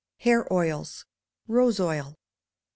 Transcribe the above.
Hair Oils. Rose Oil.